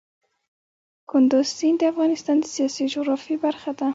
کندز سیند د افغانستان د سیاسي جغرافیه برخه ده.